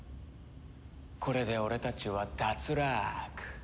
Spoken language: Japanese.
これで俺たちは脱落！